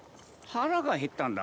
腹が減ったんだが。